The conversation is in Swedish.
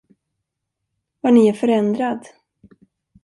Vad ni är förändrad!